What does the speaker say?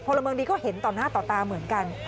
ละเมืองดีก็เห็นต่อหน้าต่อตาเหมือนกัน